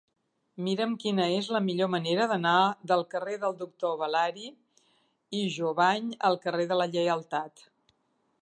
Mira'm quina és la millor manera d'anar del carrer del Doctor Balari i Jovany al carrer de la Lleialtat.